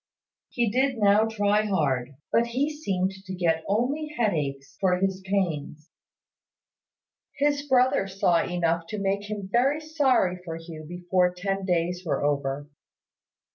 He did now try hard; but he seemed to get only headaches for his pains. His brother saw enough to make him very sorry for Hugh before ten days were over.